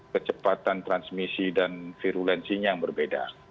kecepatan transmisi dan virulensinya yang berbeda